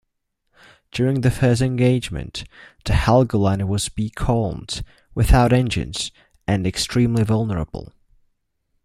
During the first engagement, the Helgoland was becalmed, without engines and extremely vulnerable.